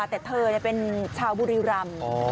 แต่เธอเป็นชาวบุรีรำ